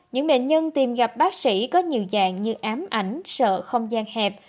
những bệnh nhân tìm gặp bác sĩ có nhiều dạng như ám ảnh sợ không gian hẹp